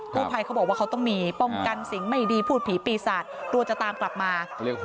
กู้ภัยเขาบอกต้องมีป้องกันสิ่งปีศาสตร์พูดผีปีศาจรวจจะตามกลับมา